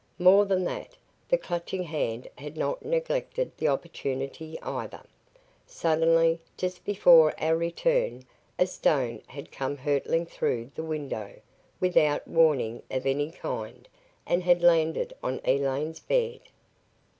More than that, the Clutching Hand had not neglected the opportunity, either. Suddenly, just before our return, a stone had come hurtling through the window, without warning of any kind, and had landed on Elaine's bed.